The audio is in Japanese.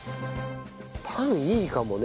パンいいかもね。